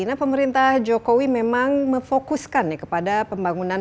nah pemerintah jokowi memang memfokuskan kepada pembangunan